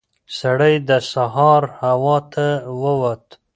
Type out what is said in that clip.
سړی د سهار هوا ته ووت.